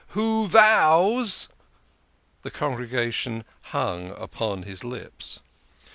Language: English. " Who vows " The congregation hung upon his lips.